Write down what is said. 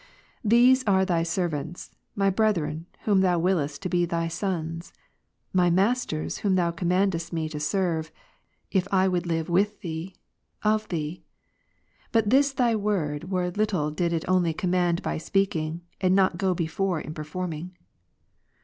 These are Thy servants, my brethren, whom Thou wiliest to be Thy sons; my masters, whom Thou commandest me to serve, if I would live with Thee, of Thee. But this Thy Word were little did it only command by speaking, and not go before in performing.